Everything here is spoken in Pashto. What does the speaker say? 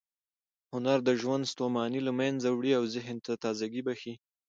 هنر د ژوند ستوماني له منځه وړي او ذهن ته تازه ګۍ بښي.